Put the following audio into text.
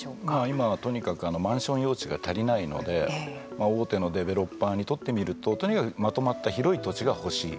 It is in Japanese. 今は、とにかくマンション用地が足りないので大手のデベロッパーにとってみるととにかく、まとまった広い土地が欲しい。